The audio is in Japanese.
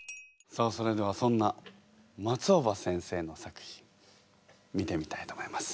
さあそれではそんな松尾葉先生の作品見てみたいと思います。